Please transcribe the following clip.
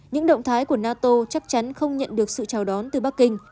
những động thái của nato chắc chắn không nhận được sự chào đón từ bắc kinh